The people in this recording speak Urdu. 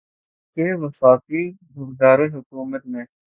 کہ وفاقی دارالحکومت میں